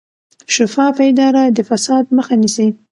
شفافه اداره د فساد مخه نیسي